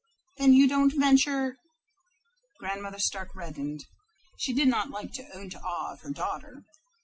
"Then you don't venture " Grandmother Stark reddened. She did not like to own to awe of her daughter.